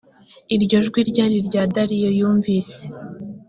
iryo jwi ryari irya dariyo yumvise